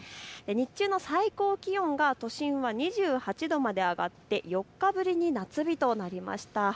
日中の最高気温が都心は２８度まで上がって４日ぶりに夏日となりました。